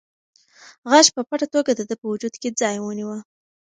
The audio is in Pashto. غږ په پټه توګه د ده په وجود کې ځای ونیوه.